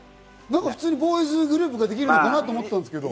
普通にボーイズグループができるのかなと思ってたんですけど。